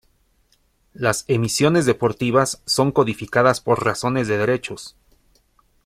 Las emisiones deportivas son codificadas por razones de derechos.